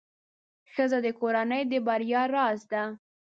ښځه د کورنۍ د بریا راز ده.